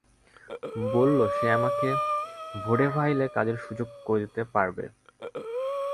বলল, সে আমাকে ভডেভাইলে কাজের সুযোগ করে দিতে পারবে।